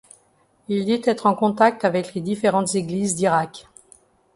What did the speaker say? Il dit être en contact avec les différentes Églises d'Irak.